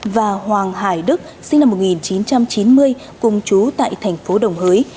và hoàng hải đức sinh năm một nghìn chín trăm chín mươi cùng chú tại tp đồng hới